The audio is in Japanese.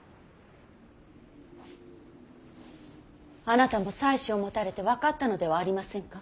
あなたも妻子を持たれて分かったのではありませんか。